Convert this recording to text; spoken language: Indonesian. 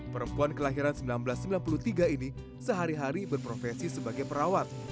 perempuan kelahiran seribu sembilan ratus sembilan puluh tiga ini sehari hari berprofesi sebagai perawat